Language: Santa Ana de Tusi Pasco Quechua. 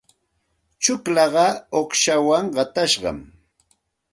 Tsullaaqa uuqshawan qatashqam.